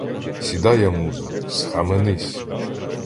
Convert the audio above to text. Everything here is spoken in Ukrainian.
Сідая музо, схаменись!